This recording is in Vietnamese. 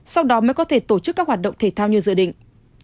sau đó mới có thể tổ chức các hoạt động thể thao như dự định